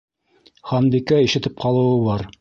—Ханбикә ишетеп ҡалыуы бар!